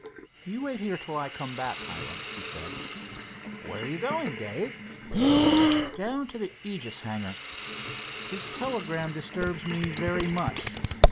"You wait here till I come back, Hiram," he said. "Where are you going, Dave?" "Down to the Aegis hangar. This telegram disturbs me very much.